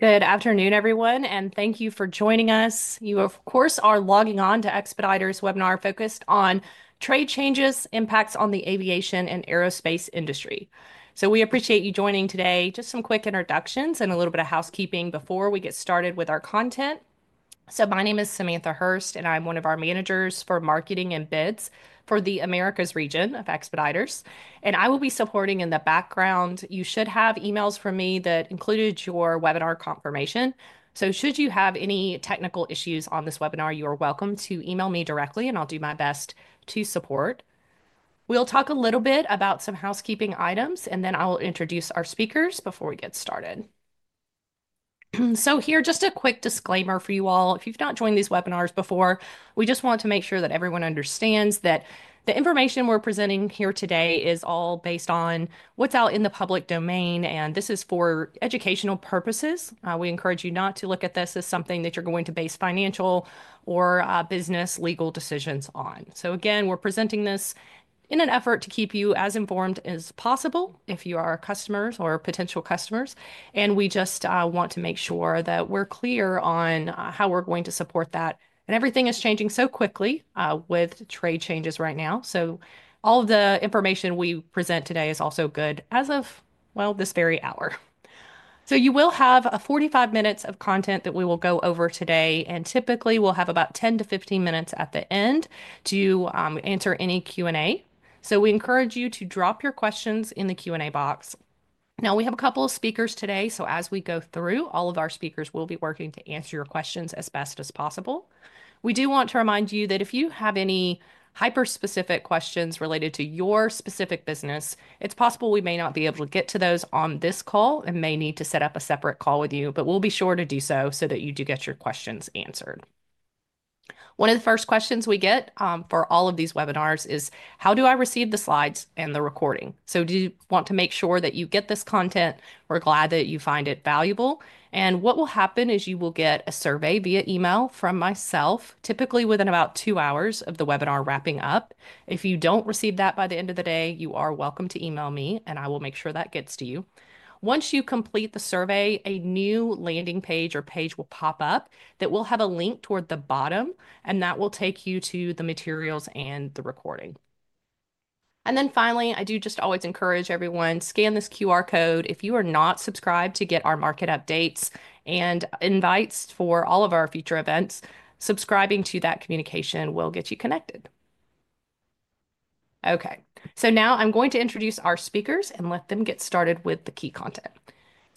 Good afternoon, everyone, and thank you for joining us. You, of course, are logging on to Expeditors' Webinar focused on trade changes, impacts on the Aviation and Aerospace industry. We appreciate you joining today. Just some quick introductions and a little bit of housekeeping before we get started with our content. My name is Samantha Hurst, and I'm one of our managers for marketing and bids for the Americas region of Expeditors. I will be supporting in the background. You should have emails from me that included your webinar confirmation. Should you have any technical issues on this webinar, you are welcome to email me directly, and I'll do my best to support. We'll talk a little bit about some housekeeping items, and then I will introduce our speakers before we get started. Here, just a quick disclaimer for you all. If you've not joined these webinars before, we just want to make sure that everyone understands that the information we're presenting here today is all based on what's out in the public domain, and this is for educational purposes. We encourage you not to look at this as something that you're going to base financial or business legal decisions on. We are presenting this in an effort to keep you as informed as possible if you are customers or potential customers. We just want to make sure that we're clear on how we're going to support that. Everything is changing so quickly with trade changes right now. All of the information we present today is also good as of, well, this very hour. You will have 45 minutes of content that we will go over today, and typically we'll have about 10-15 minutes at the end to answer any Q&A. We encourage you to drop your questions in the Q&A box. We have a couple of speakers today, so as we go through, all of our speakers will be working to answer your questions as best as possible. We do want to remind you that if you have any hyper-specific questions related to your specific business, it's possible we may not be able to get to those on this call and may need to set up a separate call with you, but we'll be sure to do so so that you do get your questions answered. One of the first questions we get for all of these webinars is, how do I receive the slides and the recording? Do you want to make sure that you get this content? We're glad that you find it valuable. What will happen is you will get a survey via email from myself, typically within about two hours of the webinar wrapping up. If you do not receive that by the end of the day, you are welcome to email me, and I will make sure that gets to you. Once you complete the survey, a new landing page or page will pop up that will have a link toward the bottom, and that will take you to the materials and the recording. Finally, I do just always encourage everyone to scan this QR code if you are not subscribed to get our market updates and invites for all of our future events. Subscribing to that communication will get you connected. Okay, now I'm going to introduce our speakers and let them get started with the key content.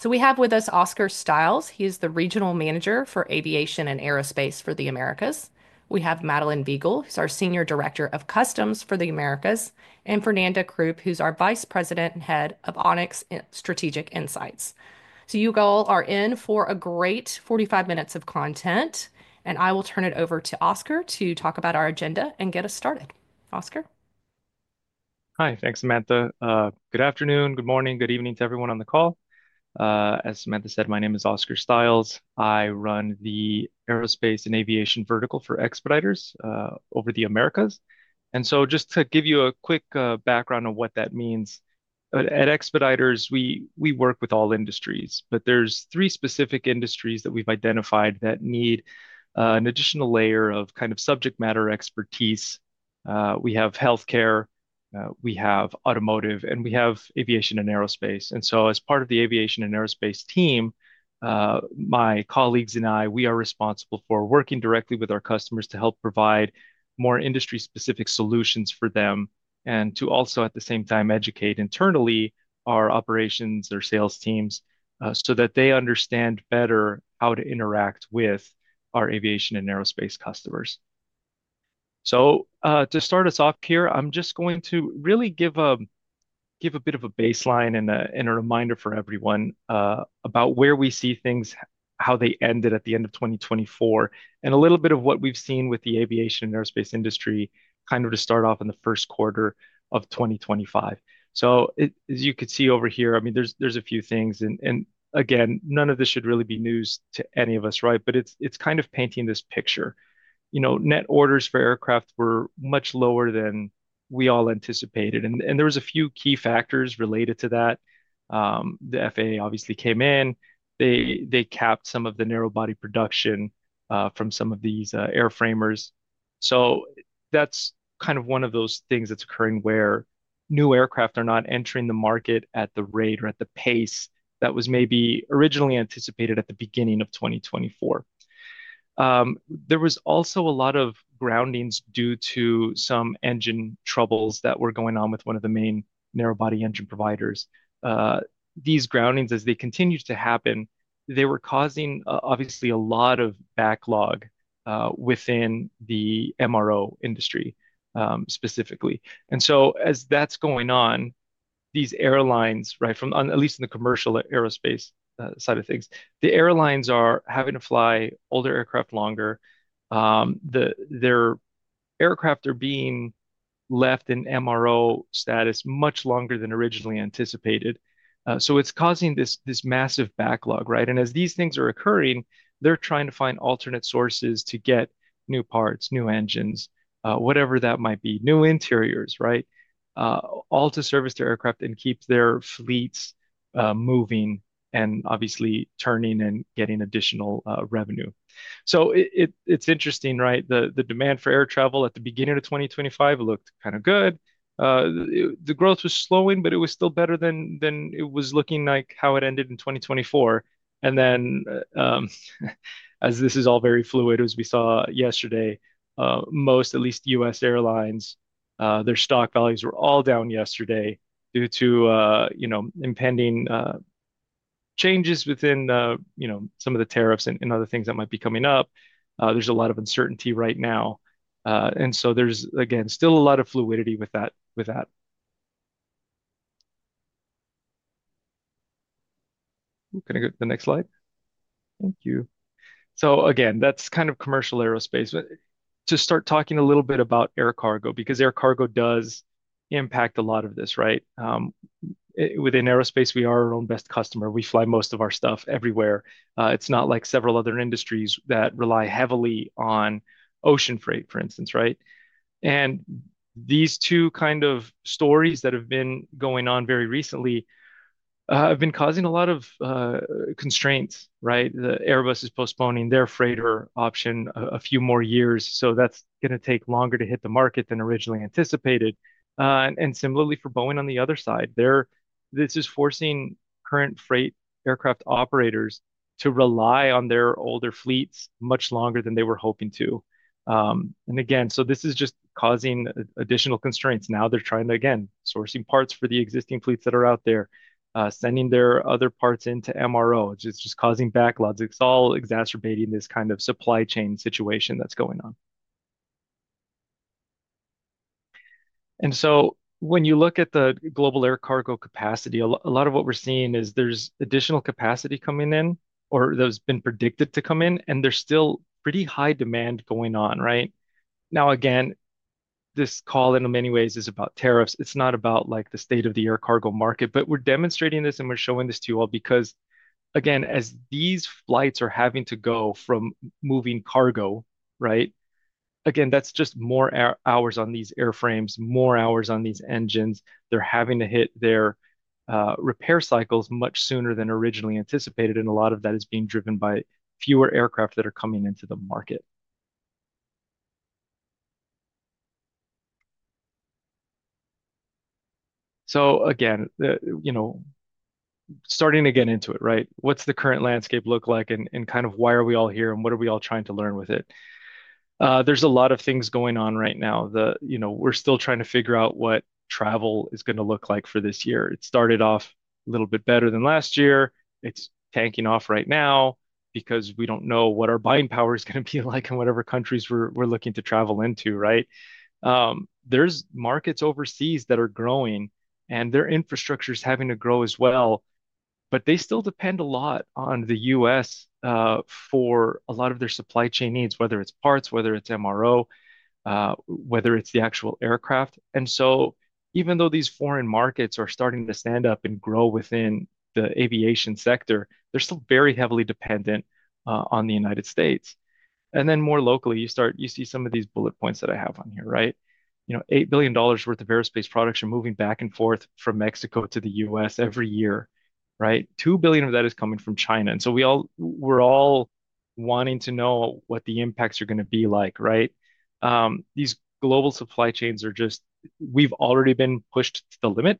We have with us Oscar Stiles. He is the Regional Manager for Aviation and Aerospace for the Americas. We have Madeleine Veigel, who's our Senior Director of Customs for the Americas, and Fernanda Kroup, who's our Vice President and Head of Onyx Strategic Insights. You all are in for a great 45 minutes of content, and I will turn it over to Oscar to talk about our agenda and get us started. Oscar. Hi, thanks, Samantha. Good afternoon, good morning, good evening to everyone on the call. As Samantha said, my name is Oscar Stiles. I run the Aerospace and Aviation vertical for Expeditors over the Americas. Just to give you a quick background on what that means, at Expeditors, we work with all industries, but there are three specific industries that we've identified that need an additional layer of kind of subject matter expertise. We have healthcare, we have automotive, and we have Aviation and Aerospace. As part of the Aviation and Aerospace team, my colleagues and I, we are responsible for working directly with our customers to help provide more industry-specific solutions for them and to also, at the same time, educate internally our operations or sales teams so that they understand better how to interact with our Aviation and Aerospace customers. To start us off here, I'm just going to really give a bit of a baseline and a reminder for everyone about where we see things, how they ended at the end of 2024, and a little bit of what we've seen with the aviation and Aerospace industry kind of to start off in the first quarter of 2025. As you could see over here, I mean, there's a few things, and again, none of this should really be news to any of us, right? It's kind of painting this picture. Net orders for aircraft were much lower than we all anticipated. There were a few key factors related to that. The FAA obviously came in. They capped some of the narrow-body production from some of these airframers. That is kind of one of those things that is occurring where new aircraft are not entering the market at the rate or at the pace that was maybe originally anticipated at the beginning of 2024. There was also a lot of groundings due to some engine troubles that were going on with one of the main narrow-body engine providers. These groundings, as they continued to happen, were causing obviously a lot of backlog within the MRO industry specifically. As that is going on, these airlines, at least in the commercial Aerospace side of things, the airlines are having to fly older aircraft longer. Their aircraft are being left in MRO status much longer than originally anticipated. It is causing this massive backlog, right? As these things are occurring, they're trying to find alternate sources to get new parts, new engines, whatever that might be, new interiors, right, all to service their aircraft and keep their fleets moving and obviously turning and getting additional revenue. It is interesting, right? The demand for air travel at the beginning of 2025 looked kind of good. The growth was slowing, but it was still better than it was looking like how it ended in 2024. As this is all very fluid, as we saw yesterday, most, at least U.S. airlines, their stock values were all down yesterday due to impending changes within some of the tariffs and other things that might be coming up. There is a lot of uncertainty right now. There is, again, still a lot of fluidity with that. Can I get the next slide? Thank you. Again, that's kind of commercial Aerospace. To start talking a little bit about air cargo, because air cargo does impact a lot of this, right? Within Aerospace, we are our own best customer. We fly most of our stuff everywhere. It's not like several other industries that rely heavily on ocean freight, for instance, right? These two kind of stories that have been going on very recently have been causing a lot of constraints, right? Airbus is postponing their freighter option a few more years, so that's going to take longer to hit the market than originally anticipated. Similarly for Boeing on the other side, this is forcing current freight aircraft operators to rely on their older fleets much longer than they were hoping to. Again, this is just causing additional constraints. Now they're trying to, again, sourcing parts for the existing fleets that are out there, sending their other parts into MRO, which is just causing backlogs. It's all exacerbating this kind of supply chain situation that's going on. When you look at the global air cargo capacity, a lot of what we're seeing is there's additional capacity coming in or that's been predicted to come in, and there's still pretty high demand going on, right? Now, again, this call in many ways is about tariffs. It's not about like the state of the air cargo market, but we're demonstrating this and we're showing this to you all because, again, as these flights are having to go from moving cargo, right? Again, that's just more hours on these airframes, more hours on these engines. They're having to hit their repair cycles much sooner than originally anticipated, and a lot of that is being driven by fewer aircraft that are coming into the market. Again, starting to get into it, right? What's the current landscape look like and kind of why are we all here and what are we all trying to learn with it? There's a lot of things going on right now. We're still trying to figure out what travel is going to look like for this year. It started off a little bit better than last year. It's tanking off right now because we don't know what our buying power is going to be like in whatever countries we're looking to travel into, right? There are markets overseas that are growing and their infrastructure is having to grow as well, but they still depend a lot on the U.S. for a lot of their supply chain needs, whether it's parts, whether it's MRO, whether it's the actual aircraft. Even though these foreign markets are starting to stand up and grow within the aviation sector, they're still very heavily dependent on the United States. More locally, you see some of these bullet points that I have on here, right? $8 billion worth of Aerospace products are moving back and forth from Mexico to the U.S. every year, right? $2 billion of that is coming from China. We're all wanting to know what the impacts are going to be like, right? These global supply chains are just, we've already been pushed to the limit.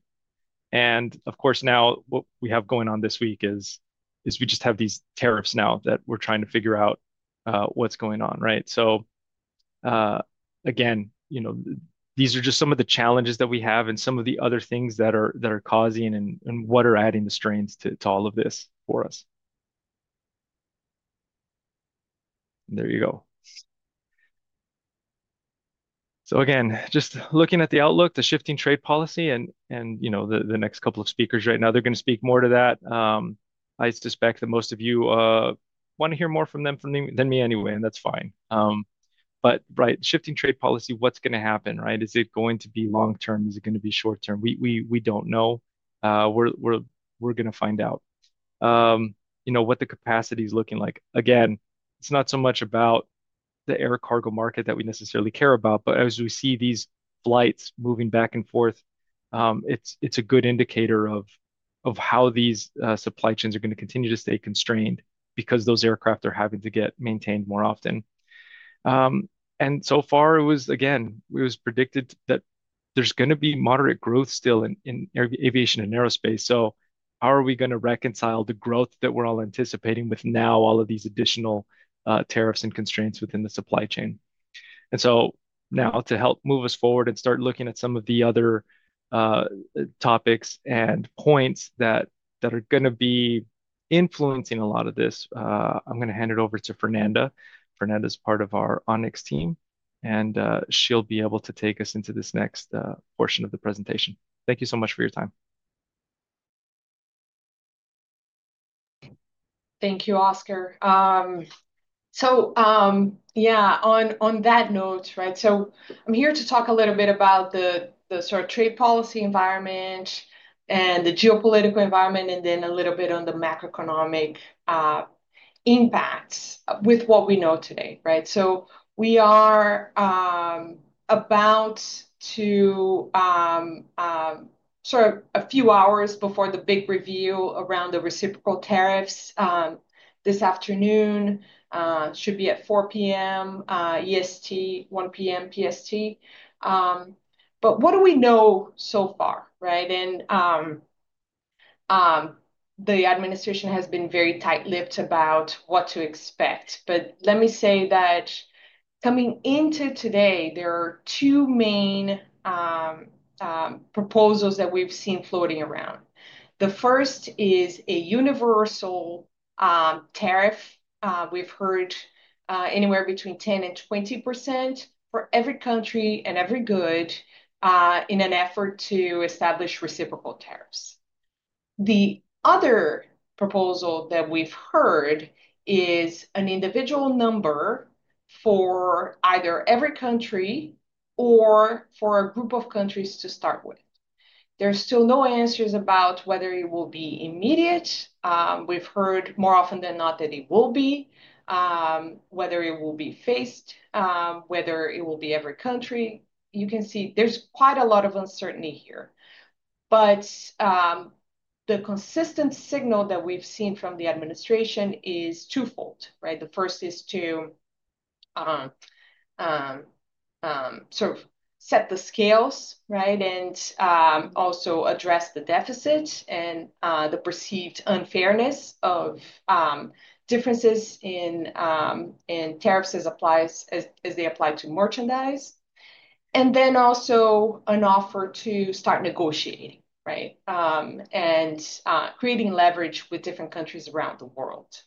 Of course, now what we have going on this week is we just have these tariffs now that we're trying to figure out what's going on, right? Again, these are just some of the challenges that we have and some of the other things that are causing and what are adding the strains to all of this for us. There you go. Again, just looking at the outlook, the shifting trade policy and the next couple of speakers right now, they're going to speak more to that. I suspect that most of you want to hear more from them than me anyway, and that's fine. Right, shifting trade policy, what's going to happen, right? Is it going to be long-term? Is it going to be short-term? We don't know. We're going to find out what the capacity is looking like. Again, it's not so much about the air cargo market that we necessarily care about, but as we see these flights moving back and forth, it's a good indicator of how these supply chains are going to continue to stay constrained because those aircraft are having to get maintained more often. So far, it was, again, it was predicted that there's going to be moderate growth still in aviation and Aerospace. How are we going to reconcile the growth that we're all anticipating with now all of these additional tariffs and constraints within the supply chain? Now to help move us forward and start looking at some of the other topics and points that are going to be influencing a lot of this, I'm going to hand it over to Fernanda. Fernanda is part of our Onyx team, and she'll be able to take us into this next portion of the presentation. Thank you so much for your time. Thank you, Oscar. Yeah, on that note, right? I'm here to talk a little bit about the sort of trade policy environment and the Geopolitical environment, and then a little bit on the Macroeconomic impacts with what we know today, right? We are about to sort of a few hours before the big reveal around the reciprocal tariffs this afternoon. It should be at 4:00 P.M. EST, 1:00 P.M. PST. What do we know so far, right? The administration has been very tight-lipped about what to expect. Let me say that coming into today, there are two main proposals that we've seen floating around. The first is a universal tariff. We've heard anywhere between 10%-20% for every country and every good in an effort to establish reciprocal tariffs. The other proposal that we've heard is an individual number for either every country or for a group of countries to start with. There's still no answers about whether it will be immediate. We've heard more often than not that it will be, whether it will be phased, whether it will be every country. You can see there's quite a lot of uncertainty here. The consistent signal that we've seen from the administration is twofold, right? The first is to sort of set the scales, right, and also address the deficits and the perceived unfairness of differences in tariffs as they apply to merchandise. Then also an offer to start negotiating, right, and creating leverage with different countries around the world.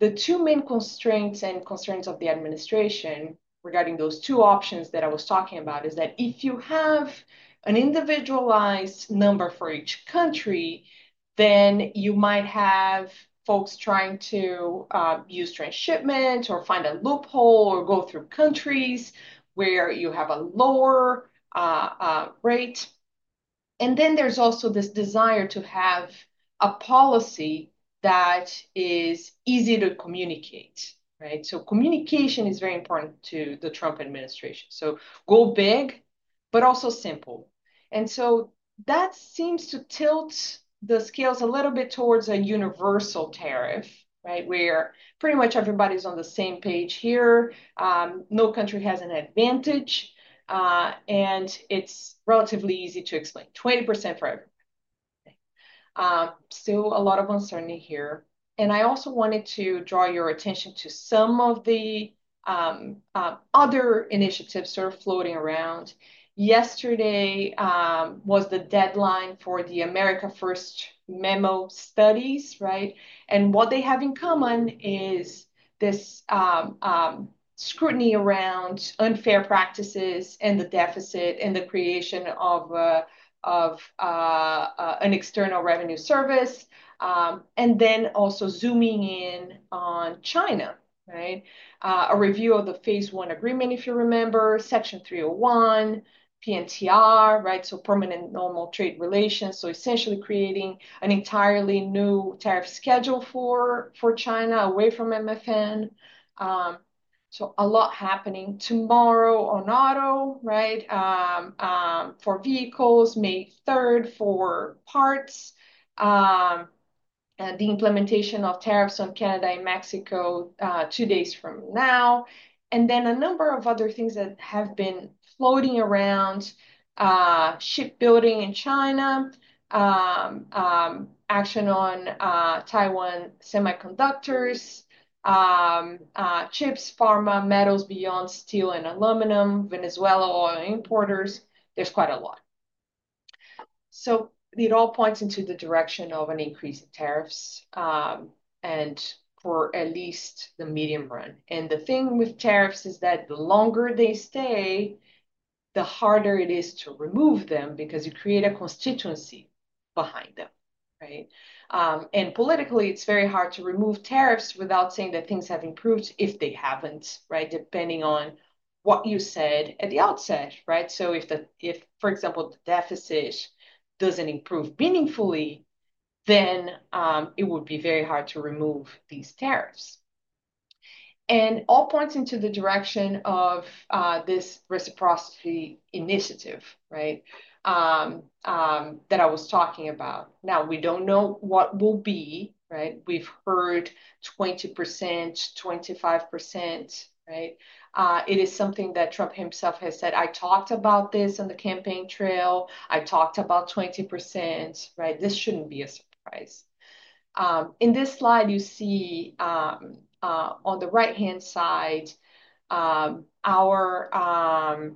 The two main constraints and concerns of the administration regarding those two options that I was talking about is that if you have an individualized number for each country, then you might have folks trying to use transshipment or find a loophole or go through countries where you have a lower rate. There is also this desire to have a policy that is easy to communicate, right? Communication is very important to the Trump administration. Go big, but also simple. That seems to tilt the scales a little bit towards a universal tariff, right, where pretty much everybody's on the same page here. No country has an advantage, and it's relatively easy to explain. 20% for everyone. Still a lot of uncertainty here. I also wanted to draw your attention to some of the other initiatives that are floating around. Yesterday was the deadline for the America First memo studies, right? What they have in common is this scrutiny around unfair practices and the deficit and the creation of an external revenue service. Also zooming in on China, right? A review of the Phase One Agreement, if you remember, Section 301, PNTR, right? Permanent normal trade relations. Essentially creating an entirely new tariff schedule for China away from MFN. A lot happening tomorrow on auto, right? For vehicles, May 3rd for parts. The implementation of tariffs on Canada and Mexico two days from now. A number of other things that have been floating around: shipbuilding in China, action on Taiwan semiconductors, chips, pharma, metals beyond steel and aluminum, Venezuela oil importers. There's quite a lot. It all points into the direction of an increase in tariffs and for at least the medium run. The thing with tariffs is that the longer they stay, the harder it is to remove them because you create a constituency behind them, right? Politically, it's very hard to remove tariffs without saying that things have improved if they haven't, right? Depending on what you said at the outset, right? For example, if the deficit doesn't improve meaningfully, then it would be very hard to remove these tariffs. All points into the direction of this reciprocity initiative, right, that I was talking about. Now, we don't know what will be, right? We've heard 20%-25%, right? It is something that Trump himself has said, "I talked about this on the campaign trail. I talked about 20%," right? This shouldn't be a surprise. In this slide, you see on the right-hand side our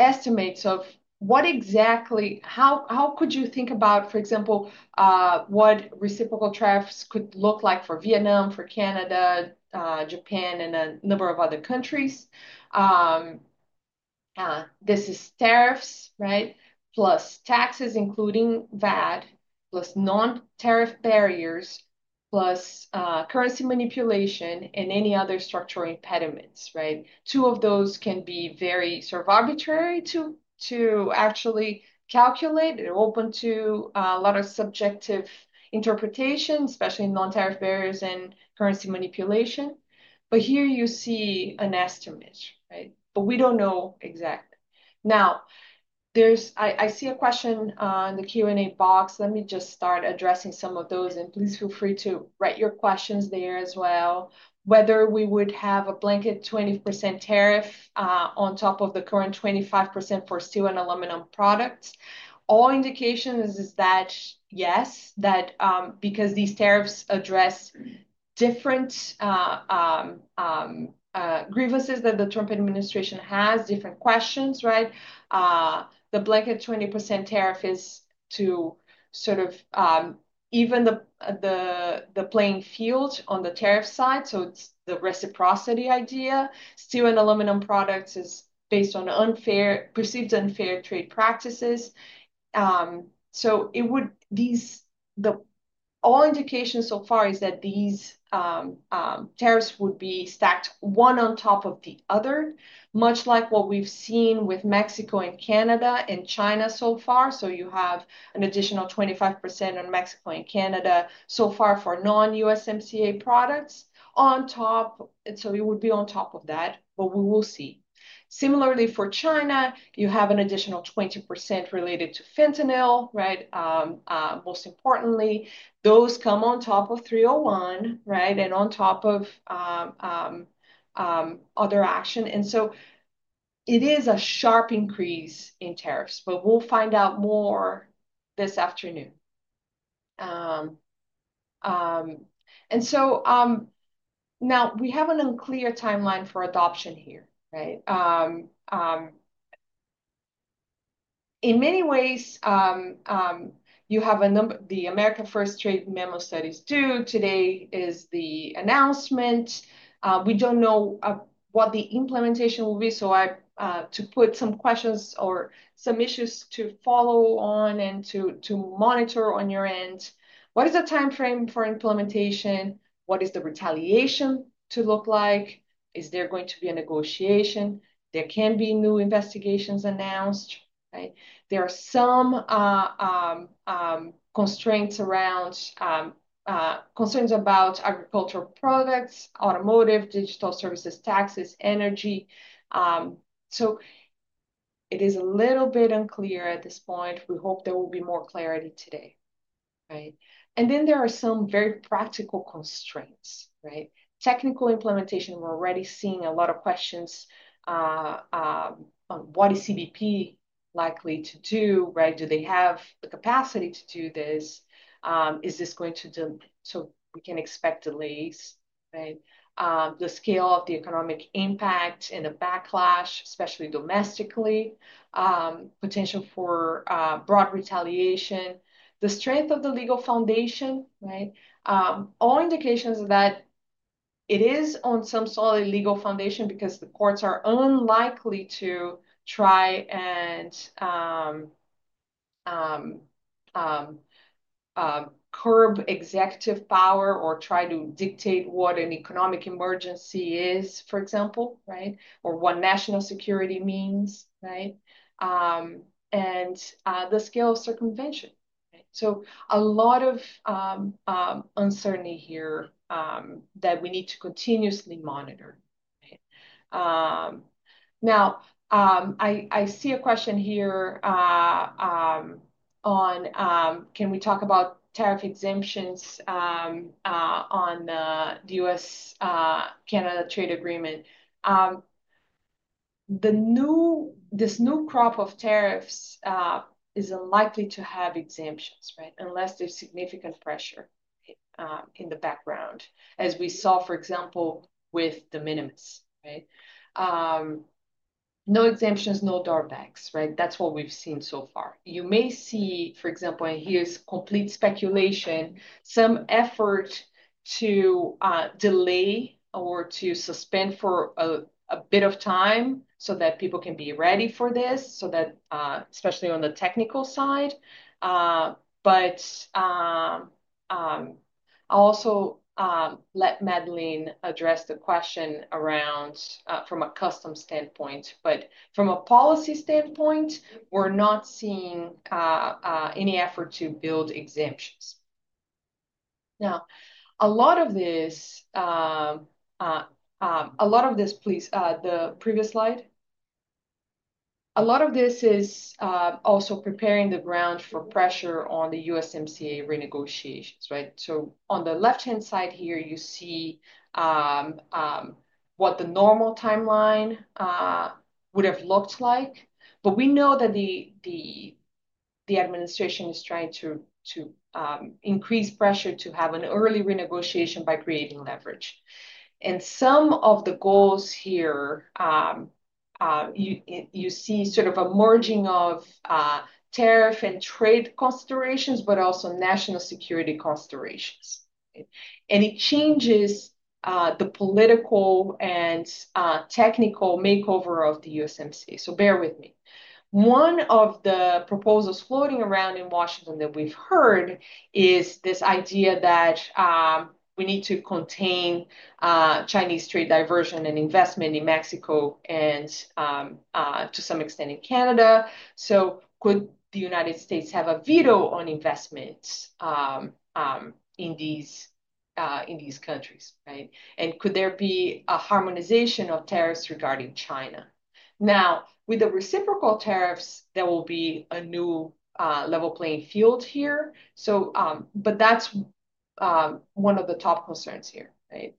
estimates of what exactly how could you think about, for example, what reciprocal tariffs could look like for Vietnam, for Canada, Japan, and a number of other countries. This is tariffs, right? Plus taxes, including VAT, plus non-tariff barriers, plus currency manipulation, and any other structural impediments, right? Two of those can be very sort of arbitrary to actually calculate. They're open to a lot of subjective interpretation, especially non-tariff barriers and currency manipulation. Here you see an estimate, right? We don't know exactly. I see a question on the Q&A box. Let me just start addressing some of those, and please feel free to write your questions there as well. Whether we would have a blanket 20% tariff on top of the current 25% for steel and aluminum products. All indications are that, yes, because these tariffs address different grievances that the Trump administration has, different questions, right? The blanket 20% tariff is to sort of even the playing field on the tariff side. It is the reciprocity idea. Steel and aluminum products are based on perceived unfair trade practices. All indications so far are that these tariffs would be stacked one on top of the other, much like what we've seen with Mexico and Canada and China so far. You have an additional 25% on Mexico and Canada so far for non-USMCA products on top. It would be on top of that, but we will see. Similarly, for China, you have an additional 20% related to Fentanyl, right? Most importantly, those come on top of 301, right? And on top of other action. It is a sharp increase in tariffs, but we'll find out more this afternoon. Now we have an unclear timeline for adoption here, right? In many ways, you have the America First trade memo studies due. Today is the announcement. We don't know what the implementation will be. To put some questions or some issues to follow on and to monitor on your end: What is the timeframe for implementation? What is the retaliation to look like? Is there going to be a negotiation? There can be new investigations announced, right? There are some concerns about agricultural products, automotive, digital services, taxes, energy. It is a little bit unclear at this point. We hope there will be more clarity today, right? There are some very practical constraints, right? Technical implementation. We're already seeing a lot of questions on what is CBP likely to do, right? Do they have the capacity to do this? Is this going to do so we can expect delays, right? The scale of the economic impact and the backlash, especially domestically, potential for broad retaliation, the strength of the legal foundation, right? All indications that it is on some solid legal foundation because the courts are unlikely to try and curb executive power or try to dictate what an economic emergency is, for example, right? Or what national security means, right? The scale of circumvention, right? A lot of uncertainty here that we need to continuously monitor, right? Now, I see a question here on can we talk about tariff exemptions on the U.S.-Canada trade agreement? This new crop of tariffs is unlikely to have exemptions, right? Unless there's significant pressure in the background, as we saw, for example, with the de minimis, right? No exemptions, no drawbacks, right? That's what we've seen so far. You may see, for example, and here's complete speculation, some effort to delay or to suspend for a bit of time so that people can be ready for this, especially on the technical side. I'll also let Madeleine address the question from a customs standpoint. From a policy standpoint, we're not seeing any effort to build exemptions. A lot of this, please, the previous slide. A lot of this is also preparing the ground for pressure on the USMCA renegotiations, right? On the left-hand side here, you see what the normal timeline would have looked like. We know that the administration is trying to increase pressure to have an early renegotiation by creating leverage. Some of the goals here, you see sort of a merging of tariff and trade considerations, but also national security considerations. It changes the political and technical makeover of the USMCA so bear with me. One of the proposals floating around in Washington that we've heard is this idea that we need to contain Chinese trade diversion and investment in Mexico and to some extent in Canada. Could the United States have a veto on investments in these countries, right? Could there be a harmonization of tariffs regarding China? Now, with the reciprocal tariffs, there will be a new level playing field here. That's one of the top concerns here, right?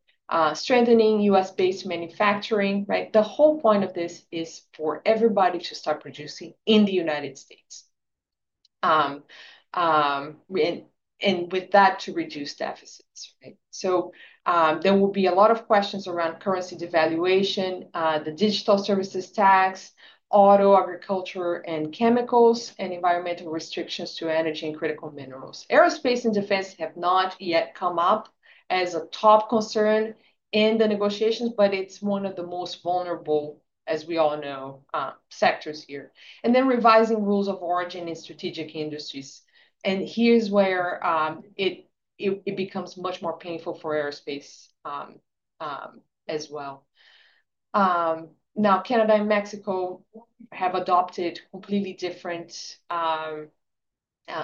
Strengthening U.S.-based manufacturing, right? The whole point of this is for everybody to start producing in the United States. With that, to reduce deficits, right? There will be a lot of questions around currency devaluation, the digital services tax, auto, agriculture, and chemicals, and environmental restrictions to energy and critical minerals. Aerospace and defense have not yet come up as a top concern in the negotiations, but it is one of the most vulnerable, as we all know, sectors here. Revising rules of origin in strategic industries is where it becomes much more painful for Aerospace as well. Canada and Mexico have adopted completely different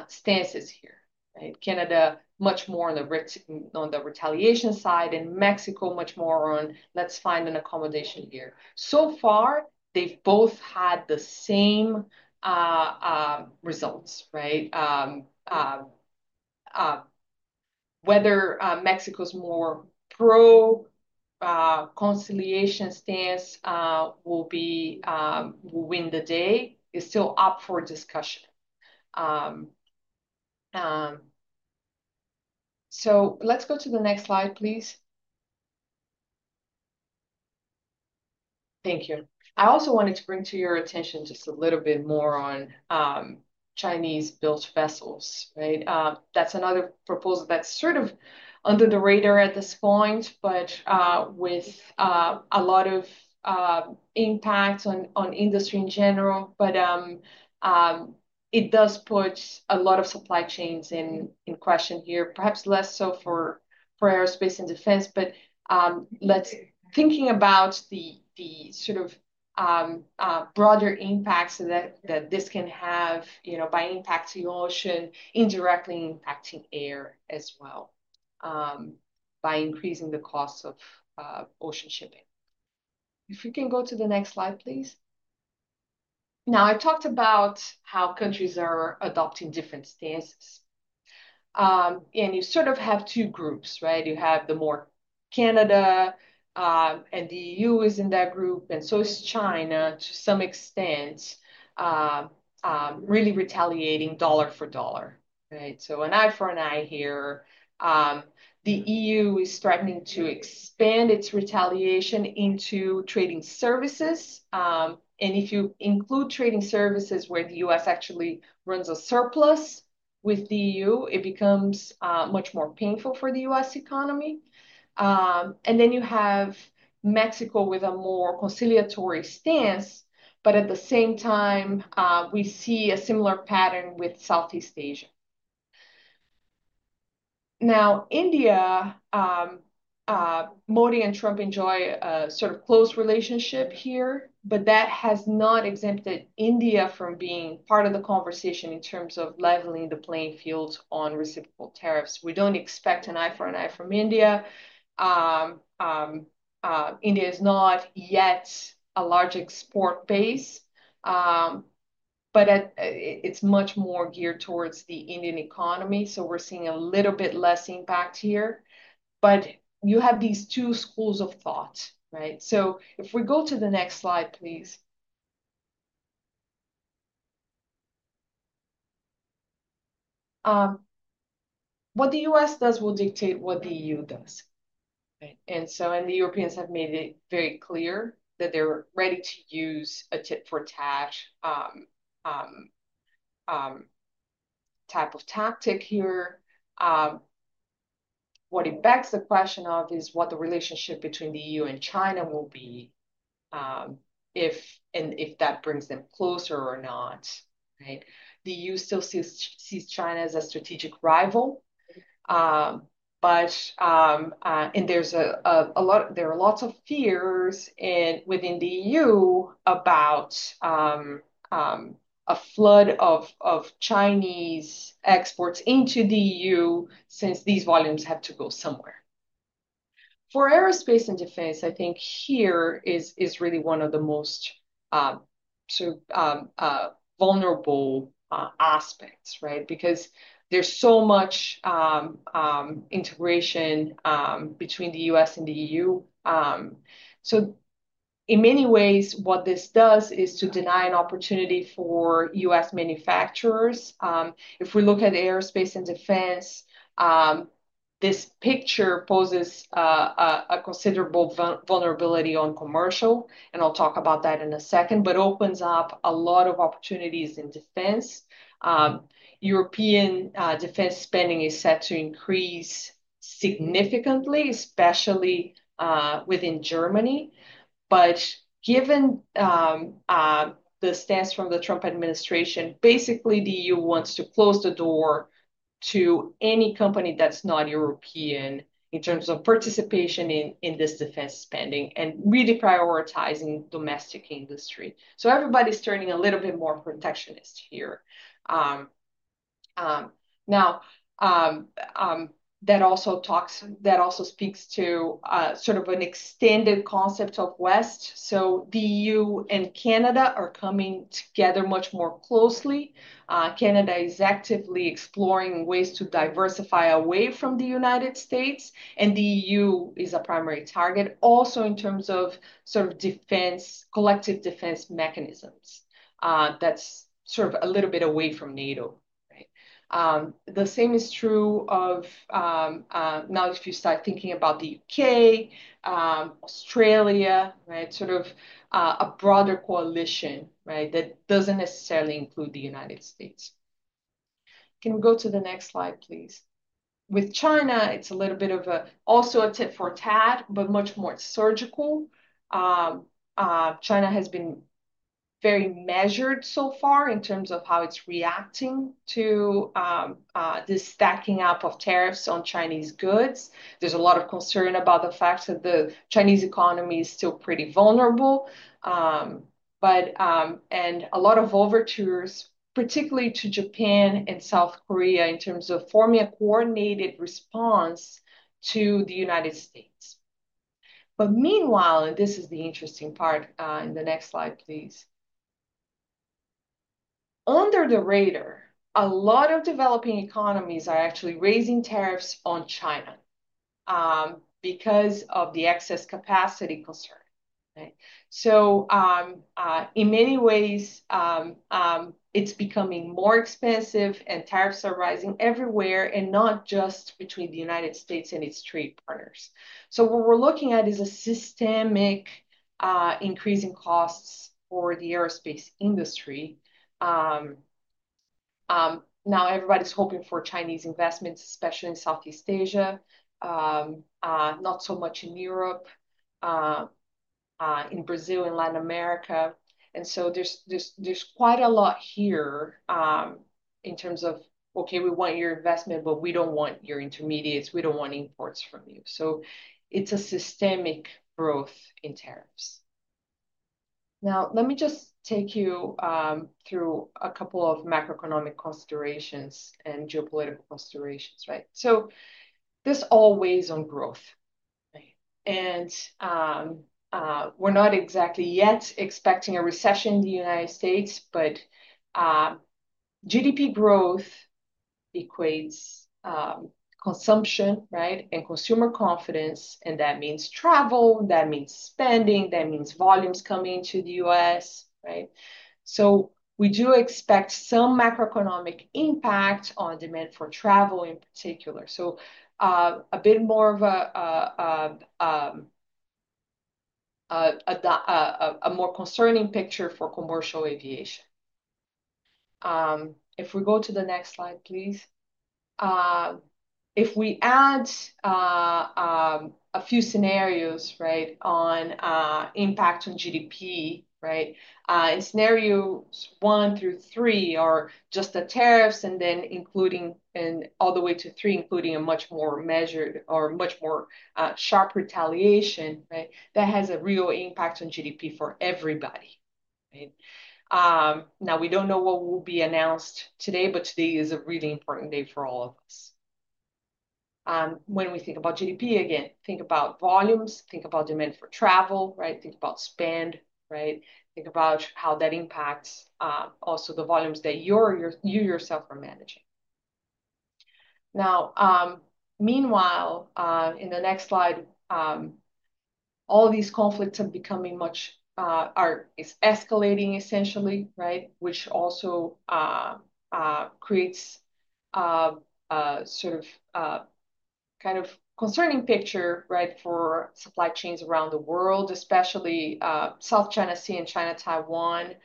stances here, right? Canada much more on the retaliation side, and Mexico much more on, let's find an accommodation here. So far, they have both had the same results, right? Whether Mexico's more pro-conciliation stance will win the day is still up for discussion. Let's go to the next slide, please. Thank you. I also wanted to bring to your attention just a little bit more on Chinese-built vessels, right? That's another proposal that's sort of under the radar at this point, but with a lot of impact on industry in general. It does put a lot of supply chains in question here. Perhaps less so for Aerospace and defense. Thinking about the sort of broader impacts that this can have by impacting ocean, indirectly impacting air as well by increasing the cost of ocean shipping. If we can go to the next slide, please. Now, I talked about how countries are adopting different stances. You sort of have two groups, right? You have the more Canada, and the E.U. is in that group. So is China to some extent, really retaliating dollar for dollar, right? An eye for an eye here. The E.U. is threatening to expand its retaliation into trading services. If you include trading services where the U.S. actually runs a surplus with the E.U., it becomes much more painful for the U.S. economy. You have Mexico with a more conciliatory stance, but at the same time, we see a similar pattern with Southeast Asia. Now, India, Modi and Trump enjoy a sort of close relationship here, but that has not exempted India from being part of the conversation in terms of leveling the playing field on reciprocal tariffs. We do not expect an eye for an eye from India. India is not yet a large export base, but it is much more geared towards the Indian economy. We are seeing a little bit less impact here. You have these two schools of thought, right? If we go to the next slide, please. What the U.S. does will dictate what the E.U. does, right? The Europeans have made it very clear that they're ready to use a tit-for-tat type of tactic here. What it begs the question of is what the relationship between the E.U. and China will be if that brings them closer or not, right? The E.U. still sees China as a strategic rival. There are lots of fears within the E.U. about a flood of Chinese exports into the E.U. since these volumes have to go somewhere. For Aerospace and defense, I think here is really one of the most vulnerable aspects, right? Because there's so much integration between the U.S. and the E.U. In many ways, what this does is to deny an opportunity for U.S. manufacturers. If we look at Aerospace and defense, this picture poses a considerable vulnerability on commercial, and I'll talk about that in a second, but opens up a lot of opportunities in defense. European defense spending is set to increase significantly, especially within Germany. Given the stance from the Trump administration, basically, the E.U. wants to close the door to any company that's not European in terms of participation in this defense spending and really prioritizing domestic industry. Everybody's turning a little bit more protectionist here. That also speaks to sort of an extended concept of West. The E.U. and Canada are coming together much more closely. Canada is actively exploring ways to diversify away from the United States, and the E.U. is a primary target also in terms of sort of collective defense mechanisms. That's sort of a little bit away from NATO, right? The same is true of now if you start thinking about the U.K., Australia, right? Sort of a broader coalition, right, that doesn't necessarily include the United States. Can we go to the next slide, please? With China, it's a little bit of also a tit for tat, but much more surgical. China has been very measured so far in terms of how it's reacting to this stacking up of tariffs on Chinese goods. There's a lot of concern about the fact that the Chinese economy is still pretty vulnerable. A lot of overtures, particularly to Japan and South Korea in terms of forming a coordinated response to the United States. Meanwhile, and this is the interesting part in the next slide, please. Under the radar, a lot of developing economies are actually raising tariffs on China because of the excess capacity concern, right? In many ways, it's becoming more expensive, and tariffs are rising everywhere, not just between the United States and its trade partners. What we're looking at is a systemic increase in costs for the Aerospace industry. Now, everybody's hoping for Chinese investments, especially in Southeast Asia, not so much in Europe, in Brazil, in Latin America. There's quite a lot here in terms of, okay, we want your investment, but we don't want your intermediates. We don't want imports from you. It's a systemic growth in tariffs. Let me just take you through a couple of macroeconomic considerations and geopolitical considerations, right? This all weighs on growth, right? We're not exactly yet expecting a recession in the United States, but GDP growth equates consumption, right, and consumer confidence. That means travel. That means spending. That means volumes coming into the U.S., right? We do expect some macroeconomic impact on demand for travel in particular. A bit more of a more concerning picture for commercial aviation. If we go to the next slide, please. If we add a few scenarios, right, on impact on GDP, in scenarios one through three are just the tariffs and then including all the way to three, including a much more measured or much more sharp retaliation, that has a real impact on GDP for everybody, right? Now, we don't know what will be announced today, but today is a really important day for all of us. When we think about GDP, again, think about volumes, think about demand for travel, right? Think about spend, right? Think about how that impacts also the volumes that you yourself are managing. Now, meanwhile, in the next slide, all these conflicts are becoming much, are escalating, essentially, right, which also creates sort of kind of concerning picture, right, for supply chains around the world, especially South China Sea and China-Taiwan.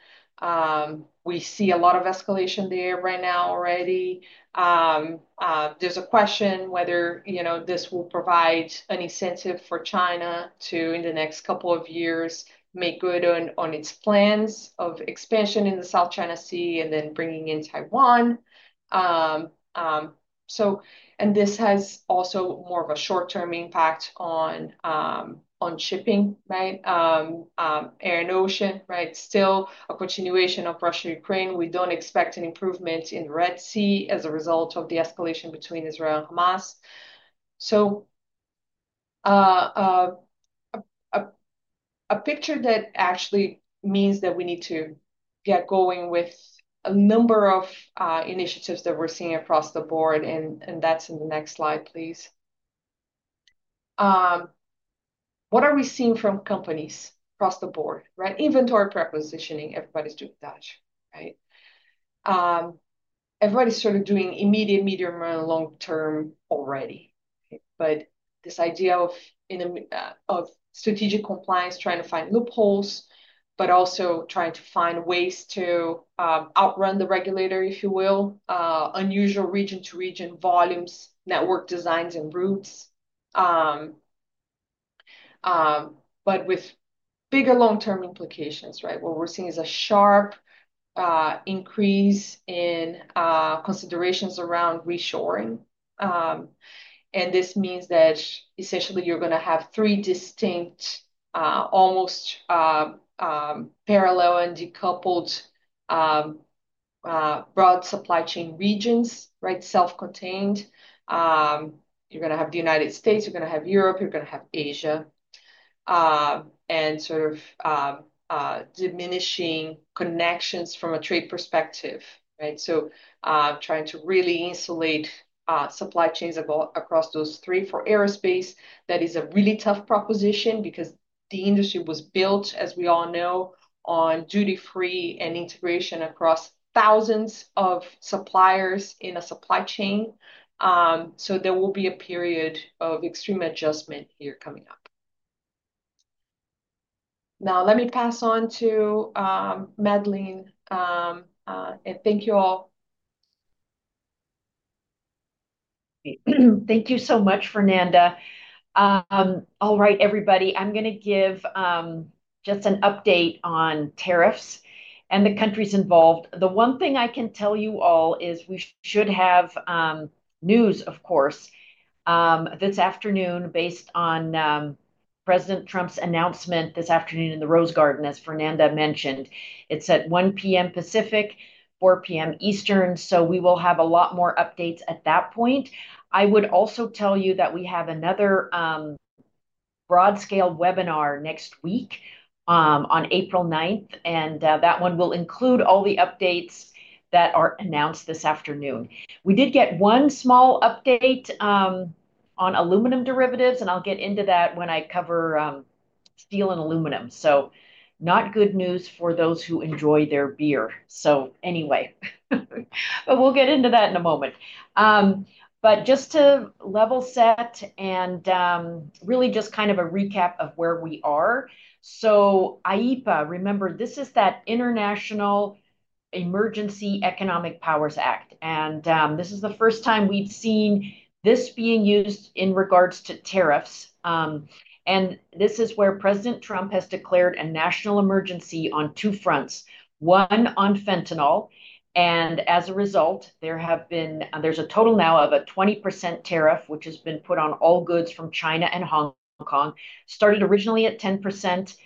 We see a lot of escalation there right now already. There's a question whether this will provide an incentive for China to, in the next couple of years, make good on its plans of expansion in the South China Sea and then bringing in Taiwan. And this has also more of a short-term impact on shipping, right, air and ocean, right? Still a continuation of Russia-Ukraine. We don't expect an improvement in the Red Sea as a result of the escalation between Israel and Hamas. A picture that actually means that we need to get going with a number of initiatives that we're seeing across the board. That's in the next slide, please. What are we seeing from companies across the board, right? Inventory prepositioning, everybody's doing that, right? Everybody's sort of doing immediate, medium, and long-term already. This idea of strategic compliance, trying to find loopholes, but also trying to find ways to outrun the regulator, if you will, unusual region-to-region volumes, network designs, and routes. With bigger long-term implications, right? What we're seeing is a sharp increase in considerations around reshoring. This means that essentially you're going to have three distinct, almost parallel and decoupled broad supply chain regions, right? Self-contained. You're going to have the United States. You're going to have Europe. You're going to have Asia. Sort of diminishing connections from a trade perspective, right? Trying to really insulate supply chains across those three for Aerospace. That is a really tough proposition because the industry was built, as we all know, on duty-free and integration across thousands of suppliers in a supply chain. There will be a period of extreme adjustment here coming up. Now, let me pass on to Madeleine. Thank you all. Thank you so much, Fernanda. All right, everybody. I'm going to give just an update on tariffs and the countries involved. The one thing I can tell you all is we should have news, of course, this afternoon based on President Trump's announcement this afternoon in the Rose Garden, as Fernanda mentioned. It's at 1:00 P.M. Pacific, 4:00 P.M. Eastern. We will have a lot more updates at that point. I would also tell you that we have another broad-scale webinar next week on April 9th. That one will include all the updates that are announced this afternoon. We did get one small update on aluminum derivatives, and I'll get into that when I cover steel and aluminum. Not good news for those who enjoy their beer. Anyway, we'll get into that in a moment. Just to level set and really just kind of a recap of where we are. AIPA, remember, this is that International Emergency Economic Powers Act. This is the first time we've seen this being used in regards to tariffs. This is where President Trump has declared a national emergency on two fronts. One on Fentanyl. As a result, there's a total now of a 20% tariff, which has been put on all goods from China and Hong Kong. Started originally at 10%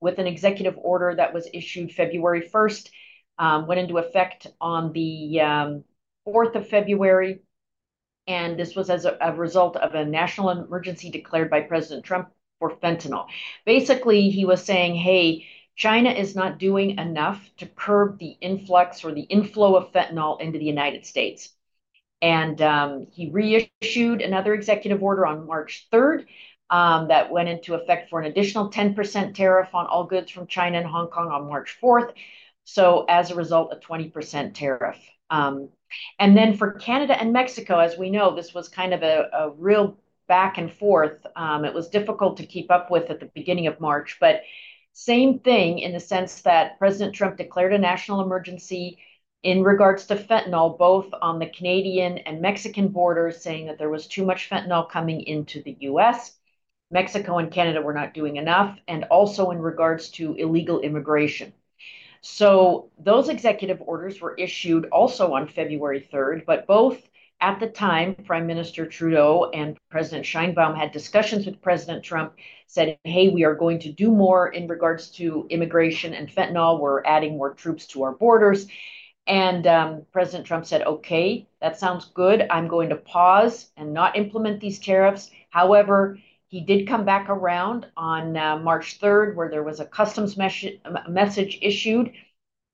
with an executive order that was issued February 1st, went into effect on the 4th of February. This was as a result of a national emergency declared by President Trump for Fentanyl. Basically, he was saying, "Hey, China is not doing enough to curb the influx or the inflow of Fentanyl into the United States." He reissued another executive order on March 3rd that went into effect for an additional 10% tariff on all goods from China and Hong Kong on March 4th. As a result, a 20% tariff. For Canada and Mexico, as we know, this was kind of a real back and forth. It was difficult to keep up with at the beginning of March. Same thing in the sense that President Trump declared a national emergency in regards to Fentanyl, both on the Canadian and Mexican borders, saying that there was too much Fentanyl coming into the U.S. Mexico and Canada were not doing enough, and also in regards to illegal immigration. Those executive orders were issued also on February 3rd, but both at the time, Prime Minister Trudeau and President Sheinbaum had discussions with President Trump, said, "Hey, we are going to do more in regards to immigration and Fentanyl. We're adding more troops to our borders." President Trump said, "Okay, that sounds good. I'm going to pause and not implement these tariffs." However, he did come back around on March 3rd, where there was a customs message issued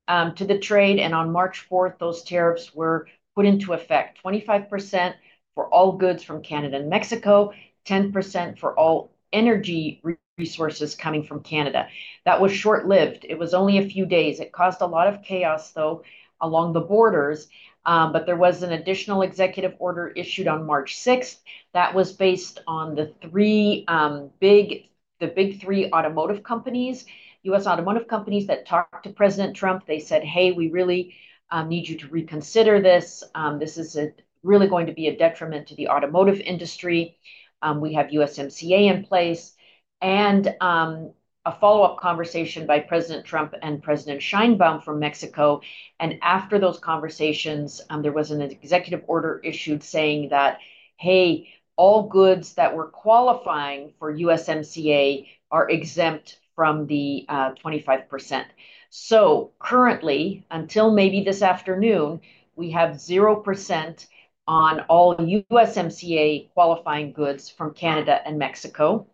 to the trade. On March 4th, those tariffs were put into effect, 25% for all goods from Canada and Mexico, 10% for all energy resources coming from Canada. That was short-lived. It was only a few days. It caused a lot of chaos, though, along the borders. There was an additional executive order issued on March 6th. That was based on the big three automotive companies, U.S. automotive companies that talked to President Trump. They said, "Hey, we really need you to reconsider this. This is really going to be a detriment to the automotive industry. We have USMCA in place." A follow-up conversation by President Trump and President Sheinbaum from Mexico happened. After those conversations, there was an executive order issued saying that, "Hey, all goods that were qualifying for USMCA are exempt from the 25%." Currently, until maybe this afternoon, we have 0% on all USMCA qualifying goods from Canada and Mexico,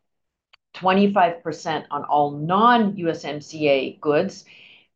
25% on all non-USMCA goods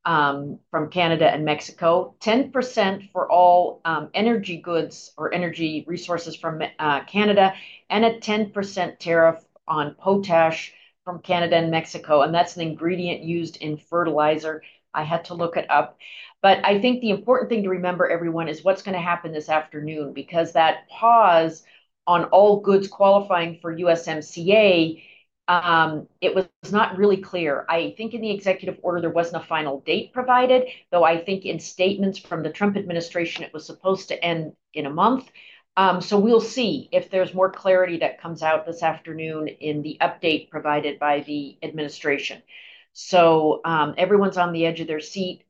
from Canada and Mexico, 10% for all energy goods or energy resources from Canada, and a 10% tariff on potash from Canada and Mexico. That is an ingredient used in fertilizer. I had to look it up. I think the important thing to remember, everyone, is what's going to happen this afternoon because that pause on all goods qualifying for USMCA, it was not really clear. I think in the executive order, there wasn't a final date provided, though I think in statements from the Trump administration, it was supposed to end in a month. We'll see if there's more clarity that comes out this afternoon in the update provided by the administration. Everyone's on the edge of their seat,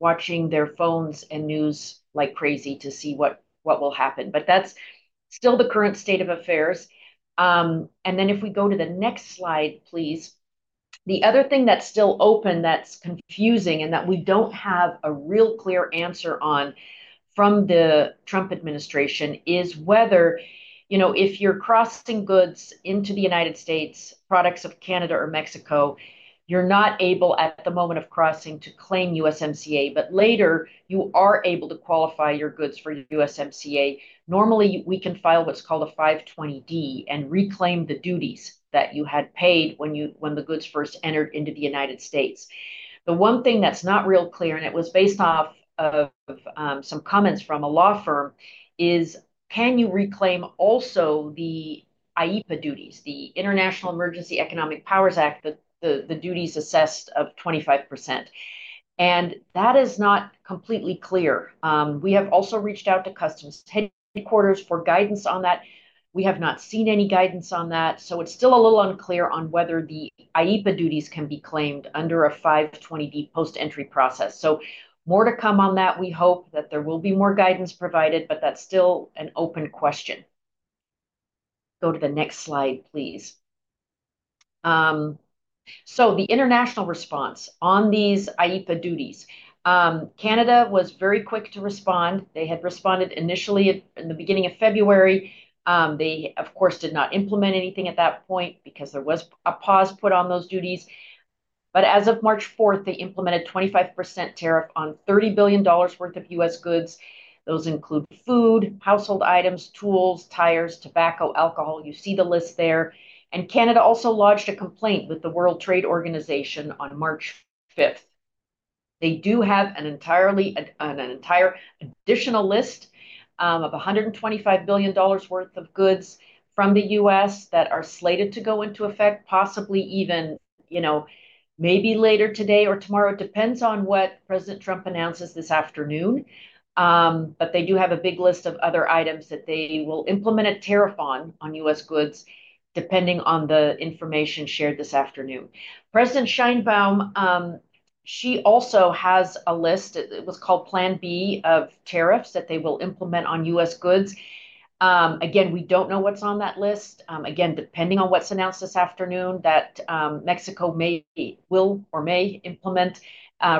watching their phones and news like crazy to see what will happen. That's still the current state of affairs. If we go to the next slide, please. The other thing that's still open that's confusing and that we don't have a real clear answer on from the Trump administration is whether if you're crossing goods into the United States, products of Canada or Mexico, you're not able at the moment of crossing to claim USMCA, but later you are able to qualify your goods for USMCA. Normally, we can file what's called a 520D and reclaim the duties that you had paid when the goods first entered into the United States. The one thing that's not real clear, and it was based off of some comments from a law firm, is can you reclaim also the IEEPA duties, the International Emergency Economic Powers Act, the duties assessed of 25%? That is not completely clear. We have also reached out to customs headquarters for guidance on that. We have not seen any guidance on that. It is still a little unclear on whether the AIPA duties can be claimed under a 520D post-entry process. More to come on that. We hope that there will be more guidance provided, but that is still an open question. Go to the next slide, please. The international response on these AIPA duties: Canada was very quick to respond. They had responded initially in the beginning of February. They, of course, did not implement anything at that point because there was a pause put on those duties. As of March 4th, they implemented a 25% tariff on $30 billion worth of U.S. goods. Those include food, household items, tools, tires, tobacco, alcohol. You see the list there. Canada also lodged a complaint with the World Trade Organization on March 5th. They do have an entire additional list of $125 billion worth of goods from the U.S. that are slated to go into effect, possibly even maybe later today or tomorrow. It depends on what President Trump announces this afternoon. They do have a big list of other items that they will implement a tariff on, on U.S. goods, depending on the information shared this afternoon. President Sheinbaum, she also has a list. It was called Plan B of tariffs that they will implement on U.S. goods. Again, we do not know what is on that list. Again, depending on what is announced this afternoon, Mexico may or may not implement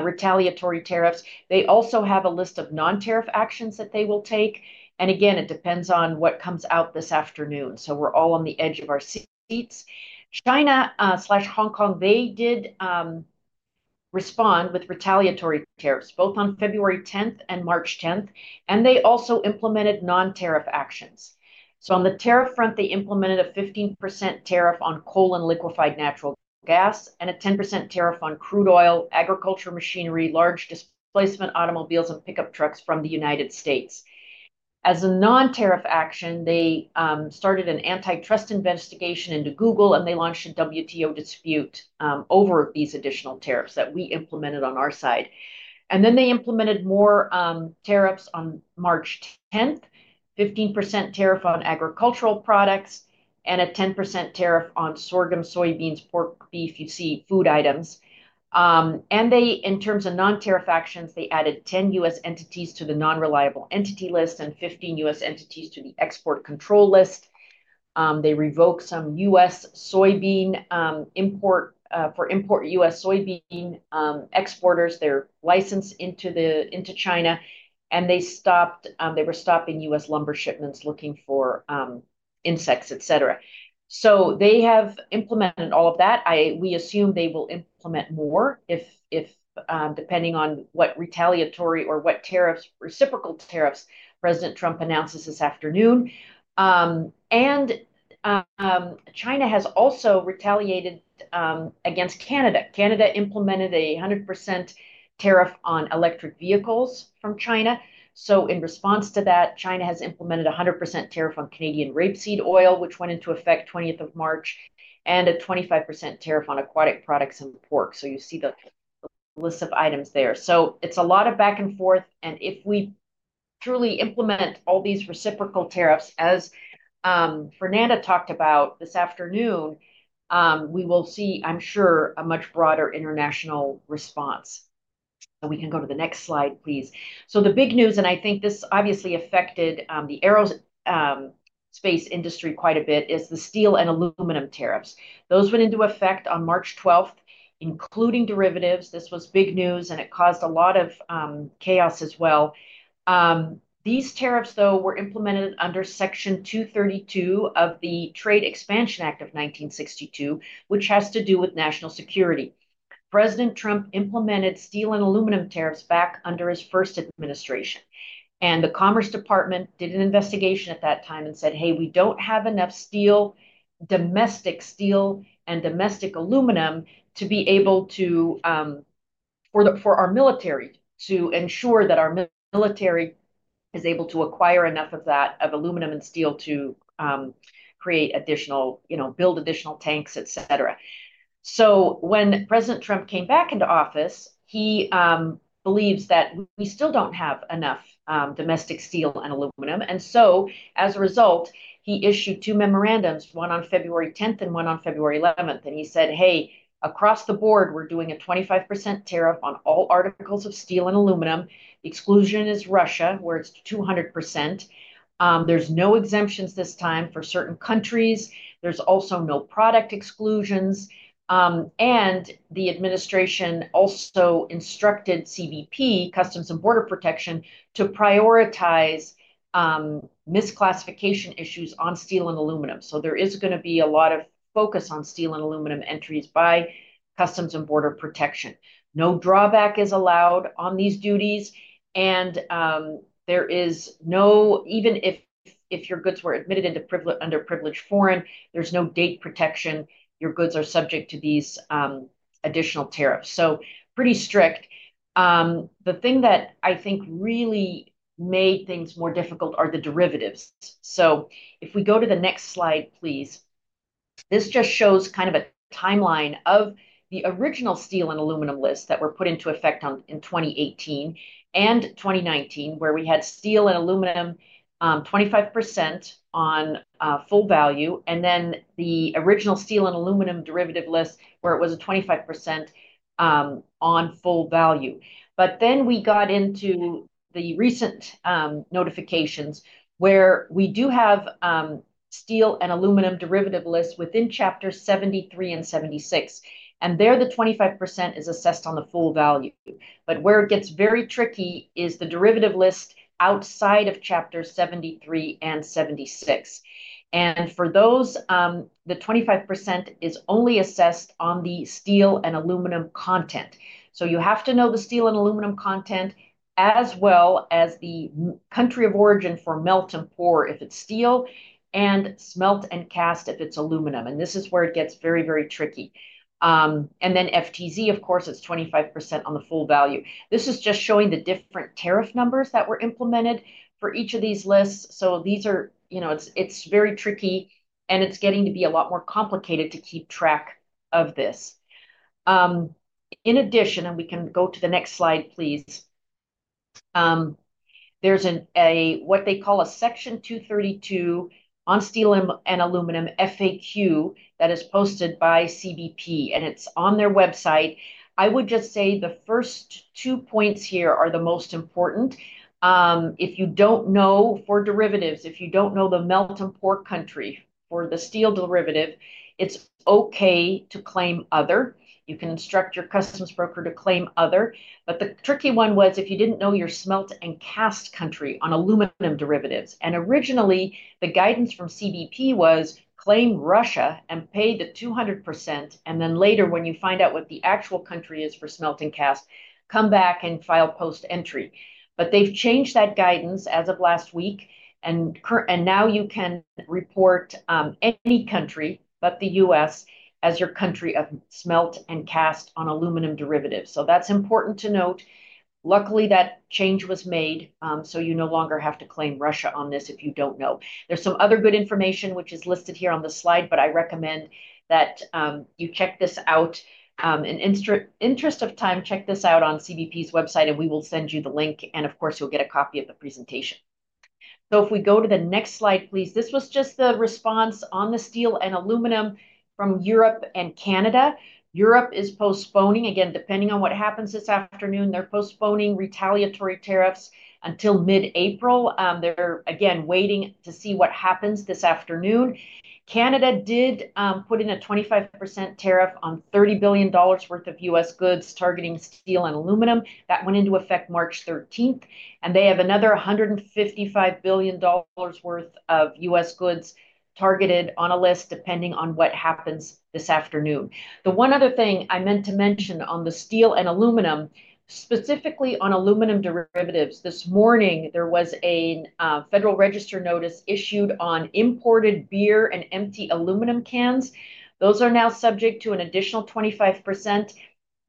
retaliatory tariffs. They also have a list of non-tariff actions that they will take. Again, it depends on what comes out this afternoon. We are all on the edge of our seats. China/Hong Kong, they did respond with retaliatory tariffs, both on February 10th and March 10th. They also implemented non-tariff actions. On the tariff front, they implemented a 15% tariff on coal and liquefied natural gas and a 10% tariff on crude oil, agriculture machinery, large displacement automobiles, and pickup trucks from the United States. As a non-tariff action, they started an antitrust investigation into Google, and they launched a WTO dispute over these additional tariffs that we implemented on our side. They implemented more tariffs on March 10th, a 15% tariff on agricultural products and a 10% tariff on sorghum, soybeans, pork, beef, you see, food items. In terms of non-tariff actions, they added 10 U.S. entities to the non-reliable entity list and 15 U.S. entities to the export control list. They revoked some U.S. soybean import for import U.S. soybean exporters. They're licensed into China. They were stopping U.S. lumber shipments looking for insects, etc. They have implemented all of that. We assume they will implement more depending on what retaliatory or what tariffs, reciprocal tariffs, President Trump announces this afternoon. China has also retaliated against Canada. Canada implemented a 100% tariff on electric vehicles from China. In response to that, China has implemented a 100% tariff on Canadian rapeseed oil, which went into effect 20th of March, and a 25% tariff on aquatic products and pork. You see the list of items there. It is a lot of back and forth. If we truly implement all these reciprocal tariffs, as Fernanda talked about this afternoon, we will see, I'm sure, a much broader international response. We can go to the next slide, please. The big news, and I think this obviously affected the Aerospace industry quite a bit, is the steel and aluminum tariffs. Those went into effect on March 12th, including derivatives. This was big news, and it caused a lot of chaos as well. These tariffs, though, were implemented under Section 232 of the Trade Expansion Act of 1962, which has to do with national security. President Trump implemented steel and aluminum tariffs back under his first administration. The Commerce Department did an investigation at that time and said, "Hey, we don't have enough steel, domestic steel and domestic aluminum to be able to, for our military, to ensure that our military is able to acquire enough of that, of aluminum and steel to create additional, build additional tanks, etc." When President Trump came back into office, he believes that we still don't have enough domestic steel and aluminum. As a result, he issued two memorandums, one on February 10th and one on February 11th. He said, "Hey, across the board, we're doing a 25% tariff on all articles of steel and aluminum. Exclusion is Russia, where it's 200%. There's no exemptions this time for certain countries. There's also no product exclusions." The administration also instructed CBP, Customs and Border Protection, to prioritize misclassification issues on steel and aluminum. There is going to be a lot of focus on steel and aluminum entries by Customs and Border Protection. No drawback is allowed on these duties. There is no, even if your goods were admitted under privileged foreign, there is no date protection. Your goods are subject to these additional tariffs. Pretty strict. The thing that I think really made things more difficult are the derivatives. If we go to the next slide, please. This just shows kind of a timeline of the original steel and aluminum list that were put into effect in 2018 and 2019, where we had steel and aluminum 25% on full value, and then the original steel and aluminum derivative list, where it was 25% on full value. Then we got into the recent notifications where we do have steel and aluminum derivative lists within Chapters 73 and 76. The 25% is assessed on the full value. Where it gets very tricky is the derivative list outside of Chapters 73 and 76. For those, the 25% is only assessed on the steel and aluminum content. You have to know the steel and aluminum content as well as the country of origin for melt and pour if it is steel and smelt and cast if it is aluminum. This is where it gets very, very tricky. FTZ, of course, is 25% on the full value. This is just showing the different tariff numbers that were implemented for each of these lists. These are very tricky, and it is getting to be a lot more complicated to keep track of this. In addition, we can go to the next slide, please. There's what they call a Section 232 on steel and aluminum FAQ that is posted by CBP, and it's on their website. I would just say the first two points here are the most important. If you don't know for derivatives, if you don't know the melt and pour country for the steel derivative, it's okay to claim other. You can instruct your customs broker to claim other. The tricky one was if you didn't know your smelt and cast country on aluminum derivatives. Originally, the guidance from CBP was claim Russia and pay the 200%, and then later, when you find out what the actual country is for smelt and cast, come back and file post-entry. They've changed that guidance as of last week. Now you can report any country but the U.S. as your country of smelt and cast on aluminum derivatives. That's important to note. Luckily, that change was made, so you no longer have to claim Russia on this if you don't know. There's some other good information which is listed here on the slide, but I recommend that you check this out. In the interest of time, check this out on CBP's website, and we will send you the link. Of course, you'll get a copy of the presentation. If we go to the next slide, please. This was just the response on the steel and aluminum from Europe and Canada. Europe is postponing. Again, depending on what happens this afternoon, they're postponing retaliatory tariffs until mid-April. They're, again, waiting to see what happens this afternoon. Canada did put in a 25% tariff on $30 billion worth of U.S. goods targeting steel and aluminum. That went into effect March 13th. They have another $155 billion worth of U.S. goods targeted on a list depending on what happens this afternoon. The one other thing I meant to mention on the steel and aluminum, specifically on aluminum derivatives, this morning, there was a Federal Register notice issued on imported beer and empty aluminum cans. Those are now subject to an additional 25%.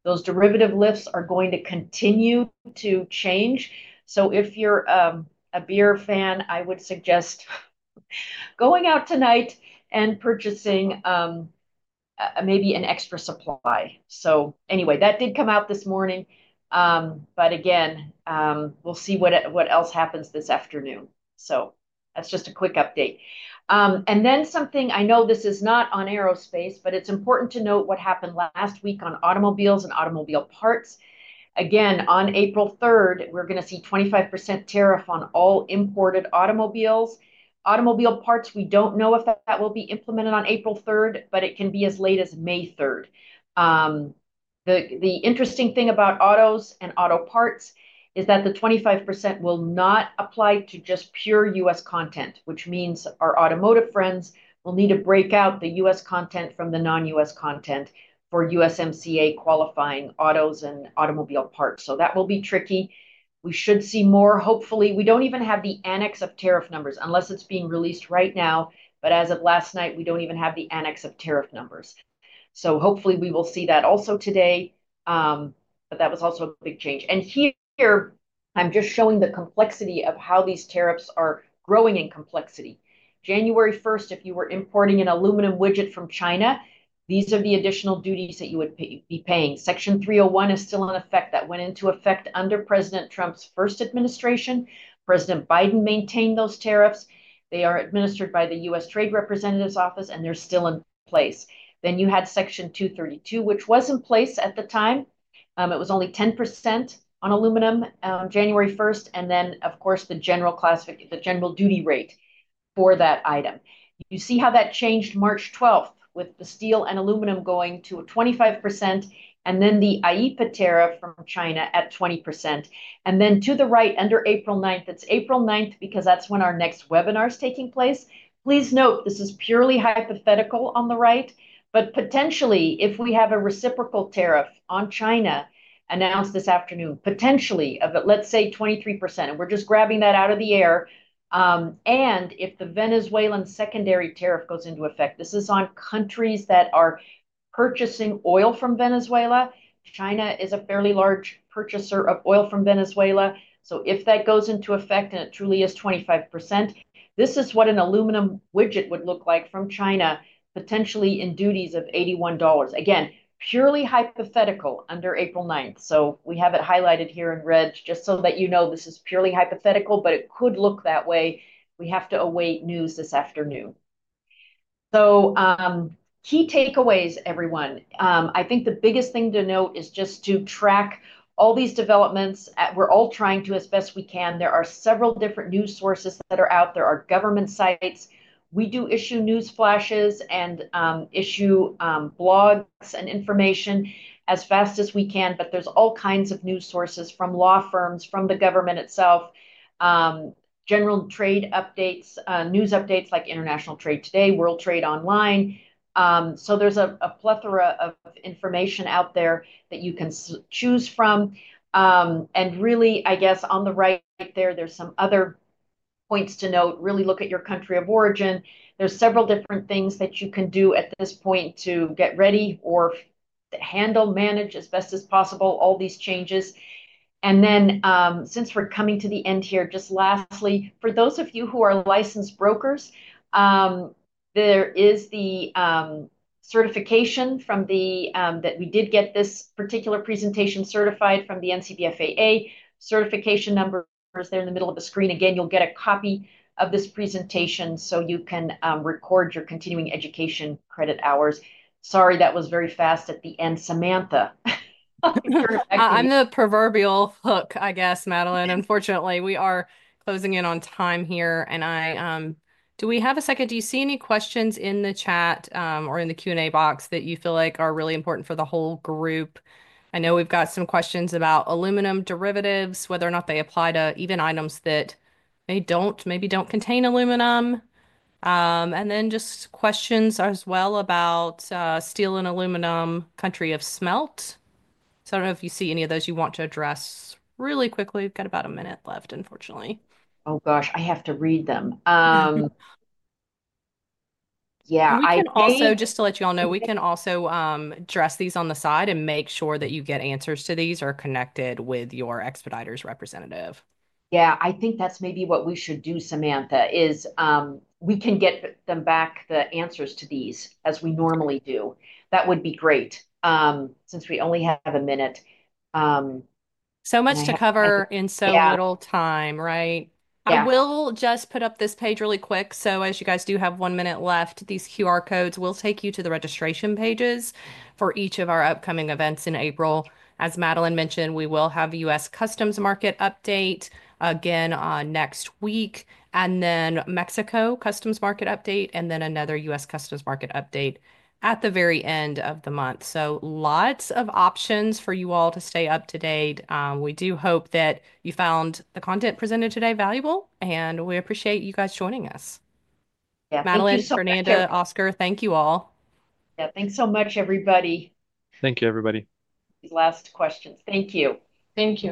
Those derivative lists are going to continue to change. If you're a beer fan, I would suggest going out tonight and purchasing maybe an extra supply. That did come out this morning. Again, we'll see what else happens this afternoon. That's just a quick update. Something I know this is not on Aerospace, but it's important to note what happened last week on automobiles and automobile parts. Again, on April 3rd, we're going to see a 25% tariff on all imported automobiles. Automobile parts, we don't know if that will be implemented on April 3rd, but it can be as late as May 3rd. The interesting thing about autos and auto parts is that the 25% will not apply to just pure U.S. content, which means our automotive friends will need to break out the U.S. content from the non-U.S. content for USMCA qualifying autos and automobile parts. That will be tricky. We should see more, hopefully. We don't even have the annex of tariff numbers unless it's being released right now. As of last night, we don't even have the annex of tariff numbers. Hopefully we will see that also today. That was also a big change. Here, I'm just showing the complexity of how these tariffs are growing in complexity. January 1st, if you were importing an aluminum widget from China, these are the additional duties that you would be paying. Section 301 is still in effect. That went into effect under President Trump's first administration. President Biden maintained those tariffs. They are administered by the U.S. Trade Representative's Office, and they're still in place. You had Section 232, which was in place at the time. It was only 10% on aluminum on January 1st. Of course, the general duty rate for that item. You see how that changed March 12th with the steel and aluminum going to 25% and then the IEEPA tariff from China at 20%. To the right, under April 9th, it's April 9th because that's when our next webinar is taking place. Please note, this is purely hypothetical on the right. But potentially, if we have a reciprocal tariff on China announced this afternoon, potentially of, let's say, 23%, and we're just grabbing that out of the air. If the Venezuelan secondary tariff goes into effect, this is on countries that are purchasing oil from Venezuela. China is a fairly large purchaser of oil from Venezuela. If that goes into effect and it truly is 25%, this is what an aluminum widget would look like from China, potentially in duties of $81. Again, purely hypothetical under April 9th. We have it highlighted here in red just so that you know this is purely hypothetical, but it could look that way. We have to await news this afternoon. Key takeaways, everyone. I think the biggest thing to note is just to track all these developments. We're all trying to, as best we can. There are several different news sources that are out. There are government sites. We do issue news flashes and issue blogs and information as fast as we can. There are all kinds of news sources from law firms, from the government itself, general trade updates, news updates like International Trade Today, World Trade Online. There is a plethora of information out there that you can choose from. I guess on the right there, there are some other points to note. Really look at your country of origin. There are several different things that you can do at this point to get ready or handle, manage as best as possible all these changes. Since we are coming to the end here, just lastly, for those of you who are licensed brokers, there is the certification from the NCBFAA that we did get this particular presentation certified from. Certification number is there in the middle of the screen. Again, you'll get a copy of this presentation so you can record your continuing education credit hours. Sorry, that was very fast at the end. Samantha. I'm the proverbial hook, I guess, Madeleine. Unfortunately, we are closing in on time here. Do we have a second? Do you see any questions in the chat or in the Q&A box that you feel like are really important for the whole group? I know we've got some questions about aluminum derivatives, whether or not they apply to even items that maybe do not contain aluminum. There are just questions as well about steel and aluminum country of smelt. I do not know if you see any of those you want to address really quickly. We've got about a minute left, unfortunately. Oh, gosh. I have to read them. Yeah. We can also, just to let you all know, we can also address these on the side and make sure that you get answers to these or are connected with your Expeditors representative. Yeah. I think that's maybe what we should do, Samantha, is we can get them back, the answers to these, as we normally do. That would be great since we only have a minute. So much to cover in so little time, right? I will just put up this page really quick. As you guys do have one minute left, these QR codes will take you to the registration pages for each of our upcoming events in April. As Madeleine mentioned, we will have the U.S. Customs Market update again next week, and then Mexico Customs Market update, and then another U.S. Customs Market update at the very end of the month. Lots of options for you all to stay up to date. We do hope that you found the content presented today valuable, and we appreciate you guys joining us. Yeah. Thank you. Madeleine, Fernanda, Oscar, thank you all. Yeah. Thanks so much, everybody. Thank you, everybody. Last questions. Thank you. Thank you.